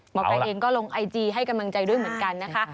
หมอไก่เองก็ลงไอจีให้กำลังใจด้วยเหมือนกันนะคะ